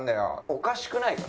おかしくないか？